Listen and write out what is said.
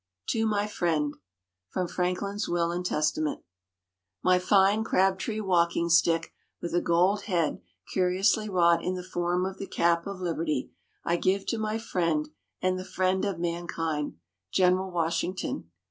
TO MY FRIEND From Franklin's Will and Testament My fine crabtree walking stick, with a gold head curiously wrought in the form of the Cap of Liberty, I give to my friend and the friend of Mankind, General Washington.